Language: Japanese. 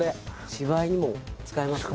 芝居にも使えますね。